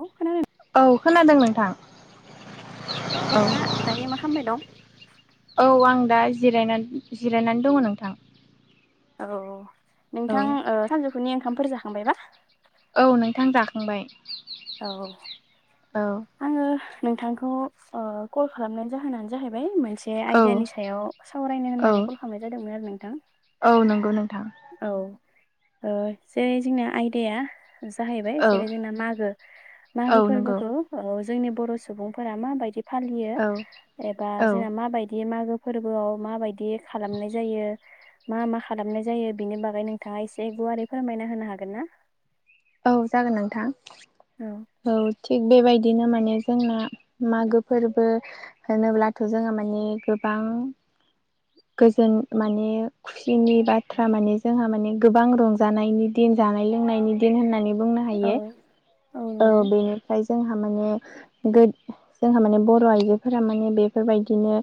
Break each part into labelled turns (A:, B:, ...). A: औ खोनादों
B: औ खोनादों नोंथां। औ
A: नोंथाङा दायो मा खालामबाय दं।
B: औ आं दा जिरायनानै- जिरायनानै दङ नोंथां।
A: औ
B: औ
A: नोंथां सानजौफुनि ओंखामफोर जाखांबायबा?
B: औ नोंथां जाखांबाय।
A: औ।
B: औ।
A: आङो नोंथांखौ ओ कल खालामनायनि जाहोनानो जाहैबाय मोन से
B: औ
A: आयदानि सायाव सावरायनो
B: औ
A: होननानै कल खालामनाय जादोंमोन आरो नोंथां।
B: औ नंगौ नोंथां।
A: औ ओ जे जोंना आयदाया जाहैबाय
B: औ
A: जेरै जोंना मागो
B: औ
A: मागो
B: नंगौ
A: फोरबोखौ औ जोंनि बर' सुबुंफोरा माबायदि फालियो
B: औ
A: एबा
B: औ
A: जोंना माबायदि मागो फोरबोआव माबायदि खालामनाय जायो। मा मा खालामनाय जायो बिनि बागै नोंथाङा एसे गुवारै फोरमायना होनो हागोन ना।
B: औ जागोन नोंथां।
A: उम
B: औ थिग बेबायदिनो माने जोंना मागो फोरबो होनोब्लाथ' जोङो माने गोबां गोजोन माने खुसिनि बाथ्रा माने जोंहा माने गोबां रंजानायनि दिन जानाय लोंनायनि दिन होननानै बुंनो
A: औ
B: हायो औ बेनिफ्राय जोंहा माने गो जोंहा माने बर' आइजोफोरा माने बेफोरबायदिनो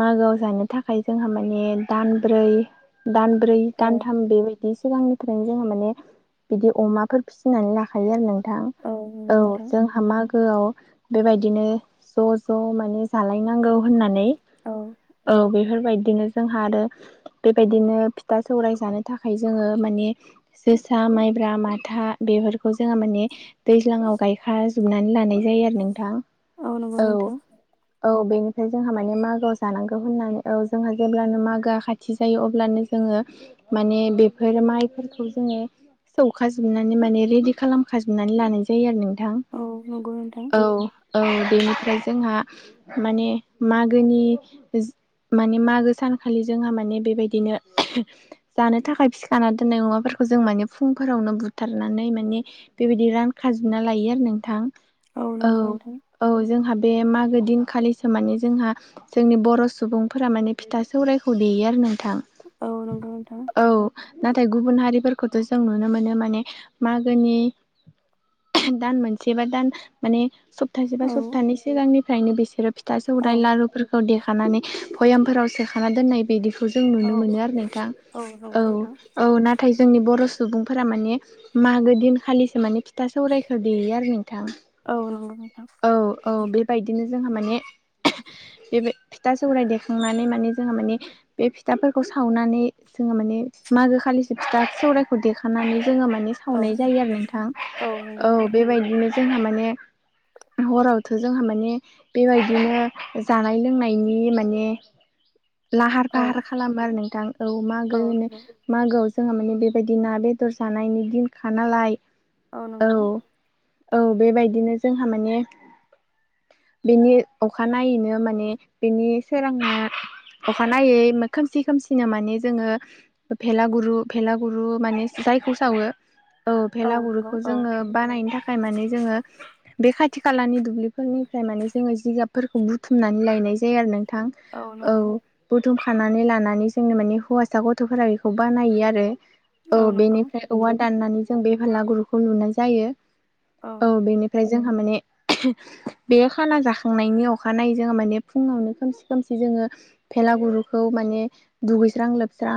B: मागोआव जानो थाखाय जोंहा माने दानब्रै दानब्रै
A: औ
B: दानथाम बे बि सिगांनिफ्रायनो जोङो माने बिदि अमाफोर फिसिनानै लाखायो आरो नों थां
A: नंगौ
B: औ
A: नोंथां
B: जोंहा मागोआव बेबायदिनो ज' ज' माने जालायनांगौ होननानै
A: औ
B: औ बे फोरबायदिनो जोंहा आरो बेबायदिनो फिथा सौराय जानो थाखाय जोङो माने जोसा माइब्रा माथा बेफोरखौ जोङो माने दैज्लाङाव गायखा जोबनानै लानाय जायो आरो नोंथां।
A: औ नंगौ नोंथां।
B: औ बेनिफ्राय जोंहा माने मागोआव जानांगौ होननानै औ जोंहा जेब्लानो मागोआ खाथि जायो अब्लानो जोङो माने बेफोर माइफोरखौ जोङो सौखाजोबनानै माने रेडि खालामखाजोबनानै लानाय जायो आरो नोंथां।
A: औ नंगौ नोंथां।
B: औ औ बेनिफ्राय जोंहा माने मागोनि माने मागो सानखालि जोंहा माने बेबायदिनो जानो थाखाय फिखाना दोननाय अमाफोरखौ जों माने फुंफोरावनो बुथारनानै माने बेबायदि रानखाजोबना लायो आरो नोंथां औ
A: नंगौ नोंथां
B: औ जोंहा बे मागो दिनखालिसो माने जोंहा जोंनि बर' सुबुं फोरा माने फिथा सौरायखौ देयो आरो नोंथां।
A: औ नंगौ नोंथां।
B: औ नाथाय गुबुन हारिफोरखौथ' जों नुनो मोनो माने मागोनि दान मोनसे बा दान माने सब थासे बा
A: औ
B: सबथानै सिगांनिफ्रायनो बिसोरो फिथा
A: औ
B: सौरायाइ लारुफोरखौ देखानानै बयामफोराव सोखाना दोननाय बिदिखौ जों नुनो
A: औ
B: मोनो आरो नोंथां औ
A: नंगौ नोंथां
B: औ ना थाय जोंनि बर' सुबुंफोरा माने मागो दिनखालिसो माने था सौरायखौ देयो आरो नोंथां
A: औ नंगौ नोंथां
B: औ औ बे बायदिनो जोंहा माने बे फिथा सौरायाइ देखांनानै माने जोंहा माने बे फिथाफोरखौ सावनानै जोङो माने मागो खालिसो फिथा सौरायखौ देखानानै जोङो माने
A: औ
B: सावनाय जायो आरो नोंथां
A: नंगौ
B: औ
A: नोंथां
B: बेबायदिनो जोंहा माने हरावथ' जोंहा माने बेबायदिनो जानाय लोंनायनि माने लाहार
A: औ
B: फाहार खालामो आरो नोंथां औ मागो
A: औ
B: होनो
A: नंगौ
B: मागोआव जोंहा माने बेबायदि ना बेदर जानायनि दिनखा नालाय औ औ बेबायदिनो जोंहा माने बेनि अखानायनायैनो माने बेनि सोरां अखानायै खोमसि खोमसिनो माने जोङो भेलागुरु भेलागुरु माने जायखौ सावो औ
A: नंगौ
B: भेलागुरिखौ
A: औ
B: जोङो बानायनो थाखाय माने जोङो बे खाथि खालानि दुब्लिफोरनिफ्राय माने जोङो जिगाबफोरखौ बुथुमनानै लायनाय जायो आरो नोंथां औ बुथुम खानानै लानानै जोंनो माने हौवासा गथ'फोरा बेखौ बानायो आरो औ बेनिफ्राय औवा दाननानै जों बेफालागुरुखौ लुनाय जायो औ बेनिफ्राय जोंहा माने बे खाला जाखांनायनि अखानायै जोंहा माने फुङावनो खोमसि खोमसि जोङो भेला गुरुखौ माने दुगैस्रां लोबस्रां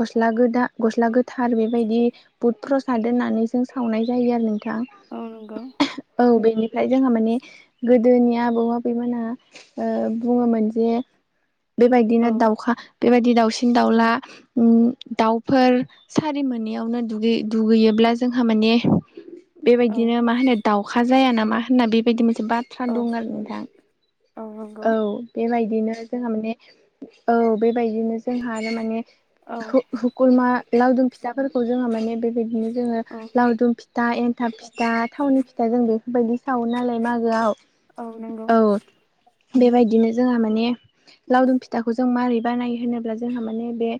B: गस्ला गोदा गस्ला गोथार बेबायदि बुद प्रसाद होननानै जों सावनाय जायो आरो नोंथां
A: औ नंगौ
B: औ बेनिफ्राय जोंहा माने गोदोनि आबौ आबैमोनहा ओ बुङोमोन जे
A: औ
B: बेबायदिनो दाउखा बेबायदि दाउसिन दाउला उम दाउफोर सारि मोनैआवनो दुगै दुगैयोब्ला जोंहा माने
A: औ
B: बेबायदिनो मा होनो दाउखा जायाना मा होनना बेबायदि मोनसे बा
A: औ
B: सान्दुंं आरो नोंथां औ बेबायदिनो जोंहा माने औ बेबायदिनो जोंहा आरो माने
A: औ
B: हुकुरमा लावदुम फिथाफोरखौ जोङहा माने बेबायदिनो जोङो
A: औ
B: लावदुम फिथ फिथा एन्थाब फिथा थावनि फिथा जों बेफोरबायदि सावो नालाय मागोआव
A: औ नंगौ
B: औ बेबायदिनो जोंहा माने लावदुम फिथाखौ जों मारै बानायो होनोब्ला जोंहा माने बे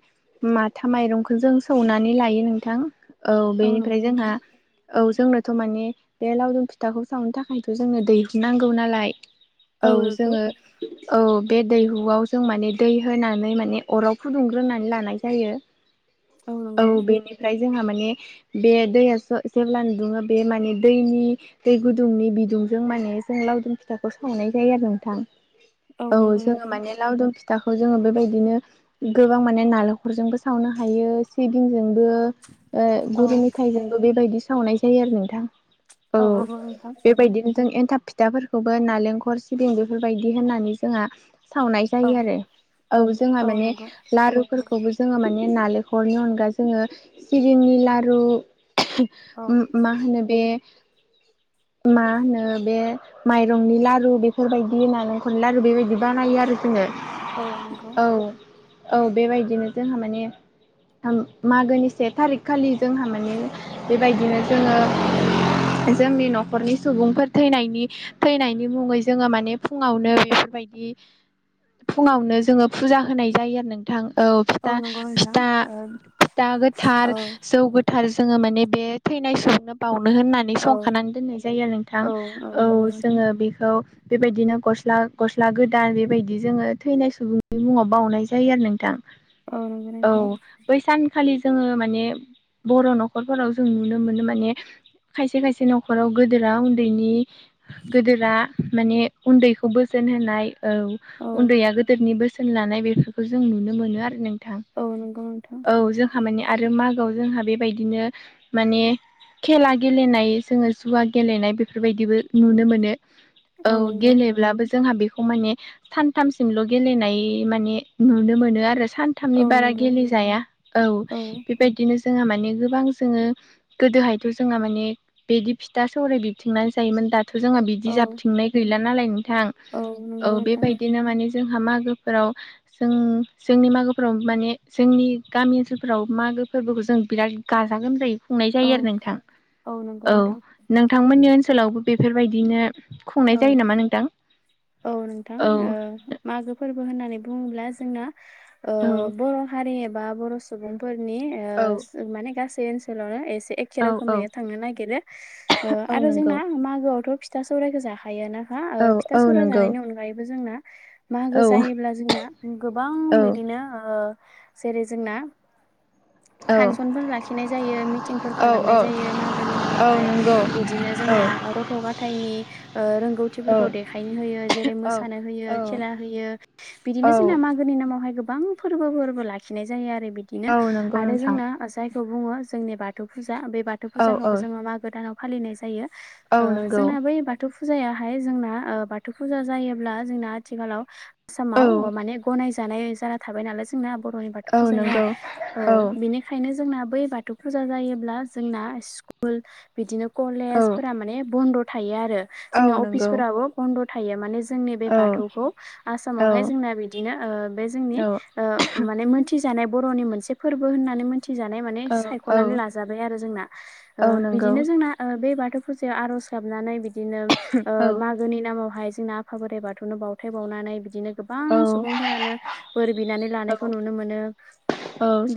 B: माथा माइरंखौ जों सौनानै लायो नोंथां औ
A: औ नंगौ
B: बेनिफ्राय जोंहा
A: नोंथां
B: औ जोंनोथ' माने बे लावदुम फिथाखौ सावनो थाखायथ' जोंनो दैहुननांगौ नालाय औ जोङो औ बे दैहुआव जों माने दै होनानै माने अराव फुदुंग्रोनानै लानाय जायो औ बेनिफ्राय जोंहा माने बे दैयासो जेब्लानो दुङो बे माने दैनि दै गुदुंनि बिदुंजों माने जों लावदुम फिथाखौ सावनाय जायो आरो नोंथां औ
A: नंगौ
B: जोङो
A: नोंथां
B: माने लावदुमि फिथाखौ जोङो बेबायदिनो गोबां माने नालेंखरजोंबो सावनो हायो सिबिंजोंबो
A: औ
B: गुरु मेथाइजोंबो बेबायदि सावनाय जायो आरो नोंथां औ
A: नंगौ नोंथां
B: बेबायदिनो जों एन्थाब फिथाफोरखौबो नालेंखर सिबिं बेफोरबायदि होननानै। जों सावनाय ज
A: औ
B: आरो औ जोंहा माने लारु फोरखौबो जोङो माने नालेंखरनि अनगा जोङो सिबिंनि लारु
A: औ
B: मा होनो बे मा होनो बे माइरंनि लारु बेफोरबायदि होननानै मोनला आरो बेबायदि बानायो आरो जोङो
A: औ नंगौ
B: औ औ बेबायदिनो जोंहा माने मागोनि से थारिख खालि जोंहा माने बेबायदिनो जोङो। जोंनि न'खरनि सुबुंफोर थैनायनि थैनायनि मुङै जोङो माने फुङावनो बे बेफोरबायदि फुङावनो जोङो फुजा होनाय जायो आरो नोंथां‌। औ फिथा
A: नंगौ नोंथां ओ
B: फिथा-फिथा
A: औ
B: गोथार जौ थार जोङो माने बे थैनाय सुबुंनो बावनो होननानै
A: औ
B: संखानानै दोननाय जायो नोंथां
A: औ
B: औ
A: नंगौ नोंथां
B: जोङो बेखौ बेबायदिनो गस्ला गस्ला गोदान बेबायदि जोङो थैनाय सुबुंनि मुङाव बावनाय जायो आरो नोंथां।
A: औ नंगौ
B: औ
A: नोंथां
B: बै सान खालि जोङो माने बर' न'खरफोराव जों नुनो मोनो माने खायसे खायसे न'खराव गोदोरा उन्दैनि गोदोरा माने उन्दैखौ बोसोन होनाय औ
A: औ
B: उन्दैया गोदोरनि बोसोन लानाय बेफोरखौ जों नुनो मोनो आरो नों थां‌
A: औ नंगौ नोंथां
B: औ जोंहा माने आरो मागोआव जोंहा बेबायदिनो माने खेला गेलेनाय जोङो जुवा गेलेनाय बेफोरबायदिबो नुनो मोनो औ गेलेब्लाबो जोंहा बेखौ माने सानथामसिमल' गेलेनाय माने नुनो मोनो आरो सान थामनि
A: औ
B: बारा
A: नंगौ
B: गेलेेजाया औ बेबायदिनो जोंहा माने गोबां जोङो गोदोहायथ' जोंहा माने बिदि फिथा सौराय बिबथिंनानै जायोमोन दा जोंहा बिदि
A: औ
B: जाबथिंनाय गैला नालाय नोंथां औ
A: नंगौ नोंथां
B: बेबायदिनो मानि जोंहा मागोफोराव जों जोंनि मागोफोराव माने जोंनि गामि ओनसोलफ्राव मागो फोरबोखौ जों बिराद गाजा गोमजायै खुंनाय
A: औ
B: जायो आरो नोंथां
A: नंगौ
B: औ
A: नोंथां
B: नोंथांमोननि ओनसोलावबो बेफोरबायदिनो खुंनाय
A: औ
B: जायो नामा नोंथां?
A: औ नोंथां
B: औ
A: ओ मागो फोरबो होननानै बुङोब्ला जोंना ओ बर' हारि एबा बर' सुबुंफोरनि
B: औ
A: ओ माने गासै ओनसोलावनो एसे ए
B: औ
A: खे रोखोमै थांनो नागिरो
B: औ
A: आरो
B: नंगौ
A: जोंना मागोआवथ' फिथा सौरायखौ जाखायोनो हा
B: औ
A: ओ
B: औ
A: फिथा सौराय
B: नंगौ
A: जानायनि अनगायैबो जोंना
B: औ
A: मागो जायोब्ला जोंना
B: औ
A: गोबां बिदिनो जेरै जोंना
B: औ
A: फांसनफोर लाखिनाय जायो मिटिंफोर
B: औ
A: खालामनाय जायो मागोनि
B: औ
A: नामावहाय
B: नंगौ
A: बिदिनो
B: औ
A: जोंना गथ' गथाइनि
B: औ
A: रोंगौथिफोरखौ देखायनो होयो जेरै मोसानो होयो
B: औ
A: खेला होयो
B: औ
A: बिदिनो जोंना मा गोनि नामावहाय गोबां फोरबो फोरबो लाखिनाय जायो आरो
B: औ
A: बिदिनो
B: नंगौ
A: आरो
B: नोंथां
A: जोंना जायखौ बुङो जोंनि बाथौ फुजा बे बाथौ
B: औ औ
A: फुजाखौबो जोङो मागो दानाव फालिनाय जायो
B: औ नंगौ
A: जोंना बै बाथौ फुजायाहाय जोंना बाथौ फुजा जायोब्ला जोंना आथिखालाव
B: औ
A: आसामाव माने गनायजानाय जाना थाबाय नालाय जोंना बर'नि बाथौ
B: औ
A: फुजाया
B: नंगौ
A: औ बेनि खायनो जोंना बै बाथौ फुजा जायोब्ला जोंना स्क कुल बिदिनो
B: औ
A: कलेज फोर माने बन्द' थायो आरो
B: औ
A: जोंना
B: नंगौ
A: अफिसफोराबो बन्द' थायो माने जोंनि बे
B: औ
A: बाथौखौ
B: औ
A: आसामावहाय जोंना बिदिनो ओ बे जोंनि
B: औ
A: ओ माने मोनथिजानाय बर'नि मोनसे फोरबो होननानै मोन थि जानाय माने
B: औ
A: सायख'नानै लाजाबाय आरो जोंना
B: औ नंगौ
A: बिदिनोओ जोंना बे बाथौ फुजायाव आर'ज गाबनानै बिदिनो
B: औ
A: ओ मा गोनि नामावहाय जोंना आफा बोराइ बाथौनो बावथाय बावनानै बिदिनो गोबां सुबुंफोरानो बोर बिनानै लानायखौ नुनो मोनो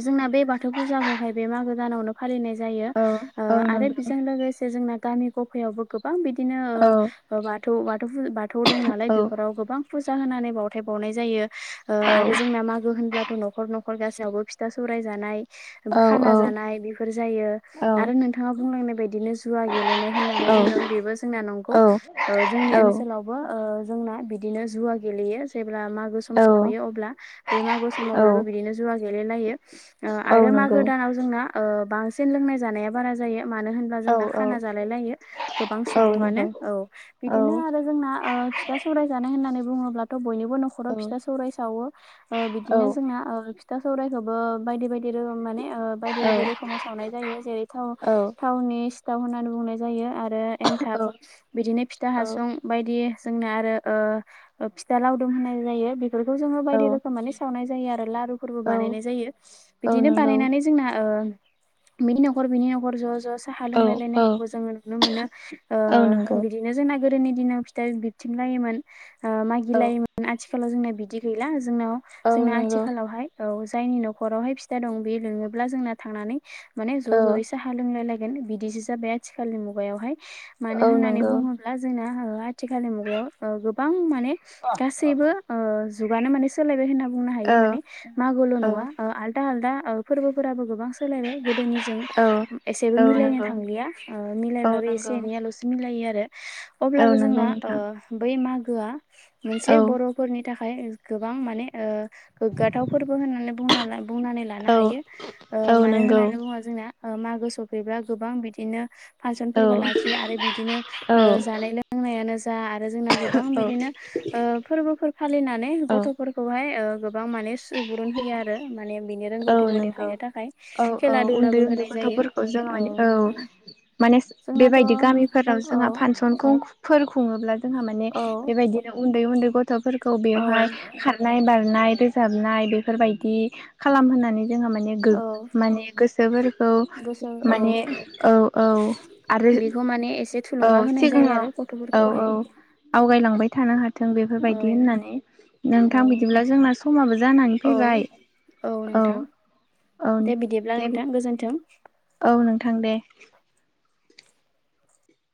A: जोंना बे बा थौ फुजाखौहाय बे मागो दानावनो फालिनाय जायो
B: औ नंगौ औ
A: ओ आरो बेजों लोगोसे जोंना गामि गफायावबो गोबां बिदिनो ओ बाथौ बाथौ बाथौ दं नालाय बेफोराव गोबां फुजा होनानै बावथाय बावनाय जायो ओ आरो
B: औ
A: जोंना मागो होनब्ला थ' न'खर न'खर गासैयावबो फिथा सौराय जानाय खाना जानाय बेफोर जायो आरो नोंथाङा बुंलांनाय बायदिनो जुवा गेलेनाय होननानै बुंदों बेबो जोंना नंगौ
B: औ
A: ओ जोंनि
B: औ औ
A: ओनसोलाव बो ओ जोंना बिदिनो जुवा गेलेयो जेब्ला मागो सम
B: औ
A: सफैयो अब्ला बे मागो समाव
B: औ
A: बयबो बिदिनो जुवा गेलायो
B: औ
A: आरो
B: नंगौ
A: मागो दानाव जोंना ओ बांसिन लोंनाय जानाया बारा जायो मानो होनब्ला
B: औ
A: जोंना
B: औ
A: खाना जालाय लायो गोबां सु
B: औ
A: सुबुङानो
B: नंगौ
A: औ
B: औ
A: बिदिनो आरो जोंना ओ फिथा सौराय जानाय होननानै बुङोब्लाथ' बयनिबो न' खराव
B: औ
A: फिथा सौराय सावो
B: औ
A: बिदिनो जोंना फिथा सौरायखौबो बायदि बाय माने बायदि बायदि रोखोमाव सावनाय जायो जेरै थाव
B: औ
A: थावनि सिथाव होननानै बुंनाय जायो आरो एन्थाब बिदिनो फिथा हासुं बायदि जोंना आरो ओ फिथा लावदुम होननाय जायो बे बेखौ जोङो
B: औ
A: बायदि रख सावनाय जायो आरो लारुबो
B: औ
A: बानायनाय जायो
B: औ
A: बिदिनो
B: नंगौ
A: बानायनानै ज जोंना बिनि न'खर बिनि न'खर ज' ज' साहा
B: औ औ
A: लोंलायलायनायखौबो जोङो नुनो मोनो।
B: औ नंगौ
A: बिदिनो जोंना गोदोनि दिनाव फिथाइ बिबथिं लायोमोन
B: औ
A: मागिलायोमोन आथिखालाव जोंना बिदि गैला जोंनाव
B: औ
A: जोंना।
B: नंगौ
A: आथिखालावहाय औ जायनि न'खरावहाय फिथा दं बे लोङोब्ला जोंना थांनानै माने ज'
B: औ
A: ज'यै सा लोंलाय लायगोन बिदिसो जाबाय आथिखालनि मुगायावहाय मानो
B: औ
A: होननानै
B: नंगौ
A: बुङोब्ला जोंना ओ आथिखालनि मुगायाव गोबां माने गासैबो जुगानो माने सोलायबाय होनना बुंनो हायो माने
B: औ
A: मागोआवल'
B: औ
A: नंआ ओ आलदा आलदा फोर्बोफोराबो गोबां सोलायबाय गोदोनिजों
B: औ
A: एसेबो
B: औ
A: मिलायनो
B: नंगौ
A: थांलिया ओ
B: औ
A: मिलायब्लाबो एसे
B: नंगौ
A: मिलायो आरो
B: औ
A: अब्लाबो
B: नंगौ
A: जोंना ओ
B: नोंथां
A: बै मागोआ
B: औ
A: मोनसे बर' फोरनि थाखाय गोबां माने ओ गोग्गाथाव फोरबो होननानै बुं बुंनानै लानो
B: औ
A: हायो ओ
B: औ
A: मानो
B: नंगौ
A: होननानै बुङोबा जों मागो सफैब्ला गोबां बिदिनो
B: औ
A: फांसनफोरबो ला खियो आरो बिदिनो
B: औ
A: जानाय लोंनाय फोरोंनायानो जा आरो जोंना गोबां बिदिनो फोरबोफोर फालिनानै गथ'फोरखौ खौहाय ओ गोबां माने सुबुरुन होयो आरो माने बिनि
B: औ
A: रोंगौथिखौ
B: नंगौ
A: देखायनो थाखाय
B: औ औ
A: खेला
B: उन्दै
A: दुलाबो
B: उन्दै
A: होनाय जायो
B: गथ'फोरखौ जों
A: औ
B: माने
A: नोंथां
B: माने
A: जोंनाथ'
B: बेबायदि गामिफोराव
A: औ
B: जोंहा फांसनखौ फोर खुङोब्ला जोंहा माने
A: औ
B: बेबायदिनो उन्दै उन्दै गथ' गथ'फोरखौ
A: औ
B: बेवहाय खारनाय बारनाय रोजाबनाय बेफोरबायदि खालाम होननानै जोंहा माने
A: औ
B: माने गोसोफोरखौ
A: गोसो औ
B: माने औ औ आरो।
A: बेखौ माने एसे
B: औ
A: थुलुंगा होनाय जायो आरो
B: सिगाङाव औ औ
A: गथ'फोरखौहाय
B: आवगायलांबाय थानो हा थों
A: औ
B: बेफोरबायदि होननानै
A: औ
B: नोंथां बिदिब्ला जोंना समाबो जानानै
A: औ
B: फैबाय
A: औ नोंथां
B: औ
A: दे बिदिब्ला नोंथां गोजोन्थों
B: औ नोंथां दे